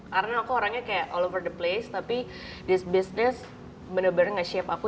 karena aku orangnya kayak all over the place tapi this business bener bener nge shape aku